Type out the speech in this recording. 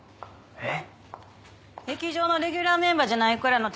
えっ。